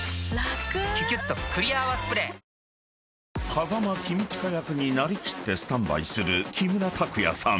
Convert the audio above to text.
［風間公親役に成り切ってスタンバイする木村拓哉さん］